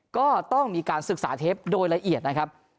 ก็ต้องมีการศึกษาเทปโดยละเอียดนะครับ